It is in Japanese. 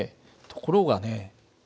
ところがね